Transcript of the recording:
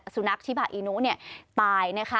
สุนักที่บะอินุตาย